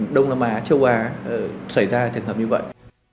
đông nam á châu á xảy ra trường hợp như vậy